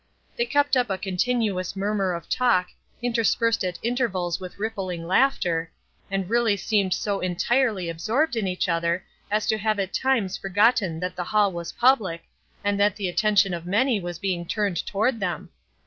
They kept up a continuous murmur of talk, interspersed at intervals with rippling laughter, and really seemed so entirely absorbed in each other as to have at times forgotten that the hall was public, and that the attention of many was being turned toward them.